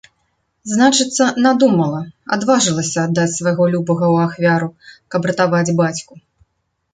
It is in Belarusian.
Значыцца, надумала, адважылася аддаць свайго любага ў ахвяру, каб ратаваць бацьку.